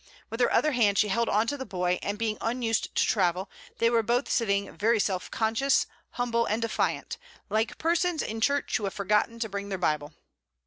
With her other hand she held on to the boy, and being unused to travel, they were both sitting very self conscious, humble, and defiant, like persons in church who have forgotten to bring their Bible.